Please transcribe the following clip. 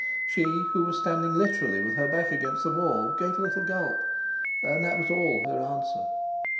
She, who was standing literally with her back against the wall, gave a little gulp, and that was all her answer.